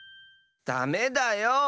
ダメだよ！